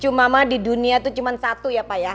cuma mah di dunia itu cuma satu ya pak ya